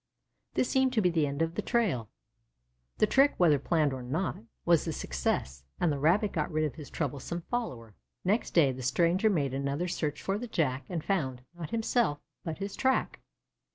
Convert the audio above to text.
This seemed to be the end of the trail. The trick, whether planned or not, was a success, and the Rabbit got rid of his troublesome follower. Next day the stranger made another search for the Jack and found, not himself, but his track.